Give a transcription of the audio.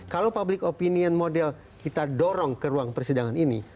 kalau public opinion model kita dorong ke ruang persidangan ini